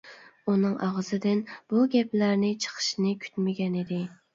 ئۇنىڭ ئاغزىدىن بۇ گەپلەرنى چىقىشىنى كۈتمىگەنىدى.